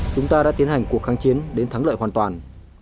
chúng ta đã tiến hành cuộc kháng chiến đến thắng lợi hoàn toàn